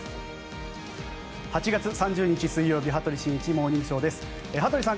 ８月３０日、水曜日「羽鳥慎一モーニングショー」。羽鳥さん